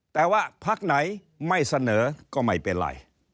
แต่ว่าพักไหนไม่เสนอก็ไม่เป็นไร